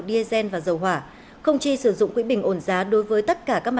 diesel và dầu hỏa không chi sử dụng quỹ bình ổn giá